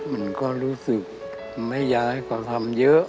มันก็รู้สึกไม่ย้ายเขาทำเยอะ